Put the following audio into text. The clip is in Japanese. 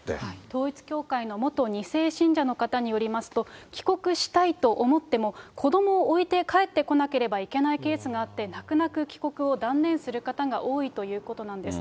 統一教会の元２世信者の方によりますと、帰国したいと思っても、子どもを置いて帰ってこなければいけないケースがあって、泣く泣く帰国を断念する方が多いということなんです。